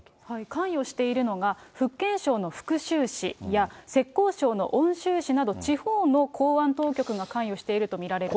関与しているのが、福建省の福州市や、浙江省の温州市など、地方の公安当局が関与していると見られると。